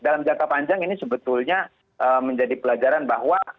dalam jangka panjang ini sebetulnya menjadi pelajaran bahwa